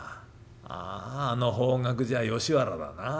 あああの方角じゃ吉原だな。